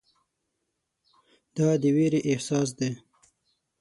دا د ویرې احساس دی.